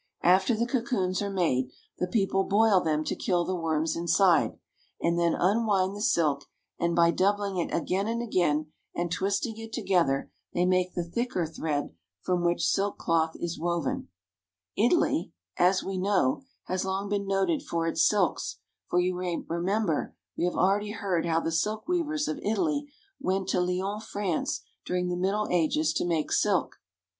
After the cocoons are made, the people boil them to kill the worms inside, and then unwind the silk, and by doub ling it again and again, and twisting it together, they make the thicker thread from which silk cloth is woven. NORTHERN ITALY. 40; Italy, as we know, has long been noted for its silks, for you may remember we have already heard how the silk weavers of Italy went to Lyons, France, during the Middle Ages, to make silk.